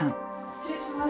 失礼します。